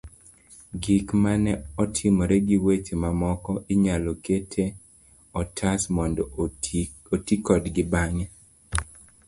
Gik mane otimore gi weche mamoko, inyalo kete otas mondo oti kodgi bang'e.